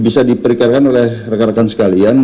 bisa diperikirkan oleh rekan rekan sekalian